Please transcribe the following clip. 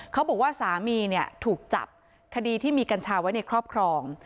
เขาบอกว่าสามีเนี่ยถูกจับคดีที่มีกัญชาไว้ในครอบครอง